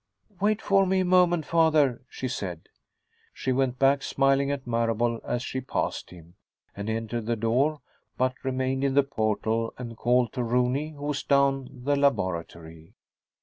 "Wait for me a moment, father," she said. She went back, smiling at Marable as she passed him, and entered the door, but remained in the portal and called to Rooney, who was down the laboratory.